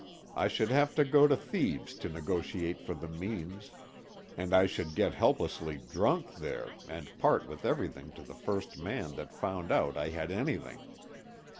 I should have to go to Thebes to negotiate for the means, and I should get helplessly drunk there and part with everything to the first man that found out I had anything.